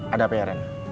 ada apa ya ren